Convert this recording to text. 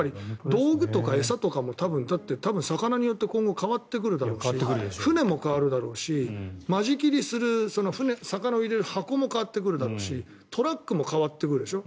道具とか餌とかも多分、魚によって今後、変わってくるだろうし船も変わるだろうし間仕切りする魚を入れる箱も変わってくるだろうしトラックも変わってくるでしょ。